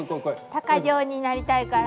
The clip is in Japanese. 鷹匠になりたいから。